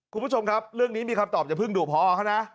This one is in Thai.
คุณผู้ชมครับเรื่องนี้มีคำตอบอย่าเพิ่งดูพอเขานะ